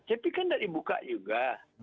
tapi kan sudah dibuka juga